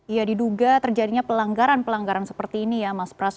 ya diduga terjadinya pelanggaran pelanggaran seperti ini ya mas pras